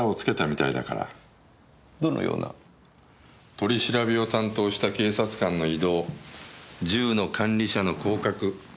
取り調べを担当した警察官の異動銃の管理者の降格。